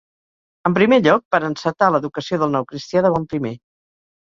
En primer lloc, per a encetar l'educació del nou cristià de bon primer.